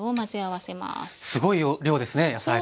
すごい量ですね野菜が。